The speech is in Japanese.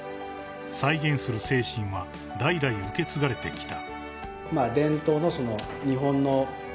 ［再現する精神は代々受け継がれてきた］